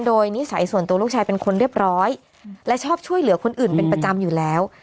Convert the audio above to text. โดยนิสัยส่วนตัวลูกชายเป็นคนเรียบร้อยและชอบช่วยเหลือคนอื่นเป็นประจำอยู่แล้ว